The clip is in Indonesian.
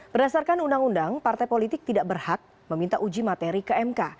berdasarkan undang undang partai politik tidak berhak meminta uji materi ke mk